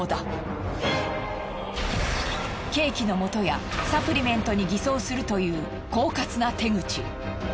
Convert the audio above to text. ケーキの素やサプリメントに偽装するという狡猾な手口。